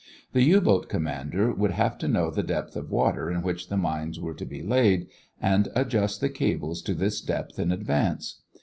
The U boat commander would have to know the depth of water in which the mines were to be laid and adjust the cables to this depth in advance.